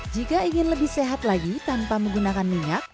jika ingin lebih sehat lagi tanpa menggunakan minyak